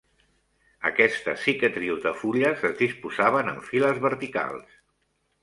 Aquestes cicatrius de fulles es disposaven en files verticals.